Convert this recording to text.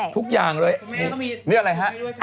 ทุกอย่างเลยนี่อะไรฮะ